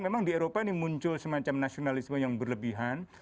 memang di eropa ini muncul semacam nasionalisme yang berlebihan